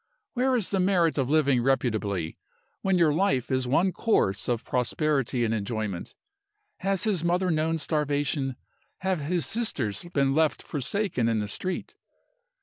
Where is the merit of living reputably, when your life is one course of prosperity and enjoyment? Has his mother known starvation? Have his sisters been left forsaken in the street?"